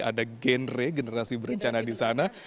ada gen re generasi berencana di sana